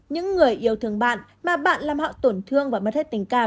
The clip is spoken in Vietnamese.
những người yêu thương bạn mà bạn làm họ tổn thương và mất hết tình cảm